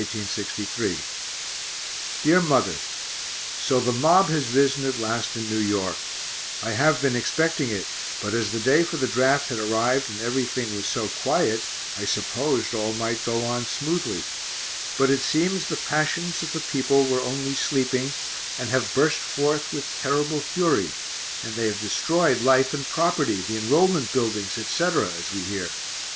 _ DEAR MOTHER So the mob has risen at last in New York I have been expecting it, but as the day for the draft had arrived and everything was so quiet, I supposed all might go on smoothly; but it seems the passions of the people were only sleeping, and have burst forth with terrible fury, and they have destroyed life and property, the enrolment buildings, etc., as we hear.